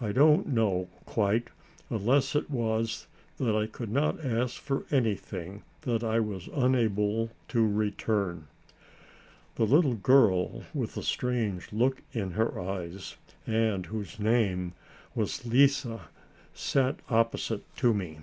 I don't know, quite, unless it was that I could not ask for anything that I was unable to return. The little girl with the strange look in her eyes, and whose name was Lise, sat opposite to me.